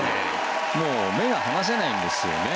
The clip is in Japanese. もう目が離せないんですよね。